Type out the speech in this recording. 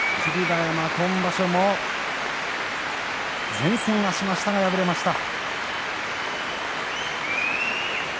馬山、今場所も善戦はしましたが、敗れました。